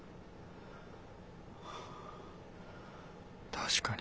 確かに。